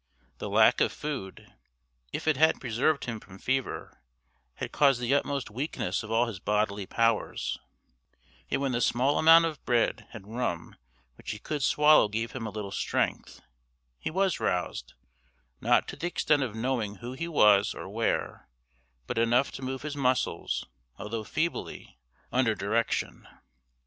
The lack of food, if it had preserved him from fever, had caused the utmost weakness of all his bodily powers; yet when the small amount of bread and rum which he could swallow gave him a little strength, he was roused, not to the extent of knowing who he was or where, but enough to move his muscles, although feebly, under direction.